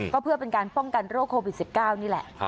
ก็เพื่อเป็นการป้องกันโรคโควิด๑๙นี่แหละ